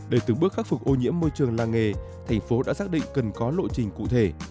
để từng bước khắc phục ô nhiễm môi trường làng nghề thành phố đã xác định cần có lộ trình cụ thể